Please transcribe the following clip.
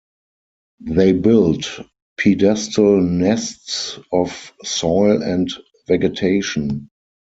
They build pedestal nests of soil and vegetation.